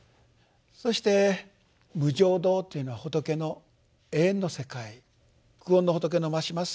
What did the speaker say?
そして「無上道」というのは仏の永遠の世界久遠の仏のまします